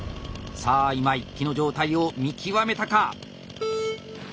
さあ今井木の状態を見極めたか。